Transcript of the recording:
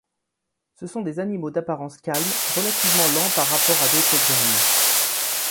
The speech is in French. Ce sont des animaux d'apparence calme, relativement lents par rapport à d'autres grenouilles.